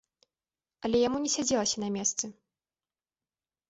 Але яму не сядзелася на месцы.